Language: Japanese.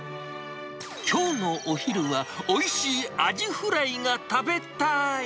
きょうのお昼は、おいしいアジフライが食べたーい！